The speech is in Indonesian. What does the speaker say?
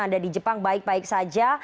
yang ada di jepang baik baik saja